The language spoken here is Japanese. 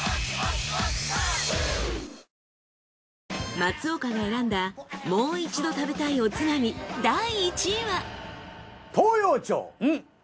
松岡が選んだもう一度食べたいおつまみ第１位は。